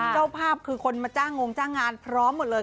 เจ้าภาพคือคนมาจ้างงงจ้างงานพร้อมหมดเลย